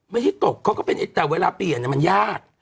ไม่ได้ตกเขาก็เป็นแต่เวลาเปลี่ยนมันยาก